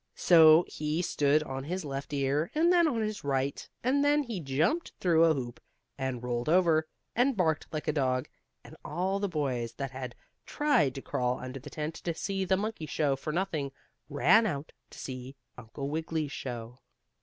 So he stood on his left ear, and then on his right ear, and then he jumped through a hoop, and rolled over, and barked liked a dog, and all the boys that had tried to crawl under the tent to see the monkey show for nothing, ran out to see Uncle Wiggily's show.